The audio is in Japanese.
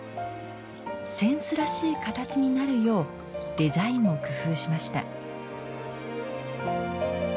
扇子らしい形になるようデザインも工夫しました。